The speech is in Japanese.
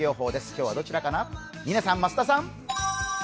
今日はどちらかな？